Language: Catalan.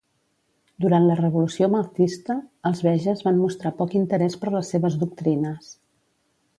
Durant la revolució mahdista, els beges van mostrar poc interès per les seves doctrines.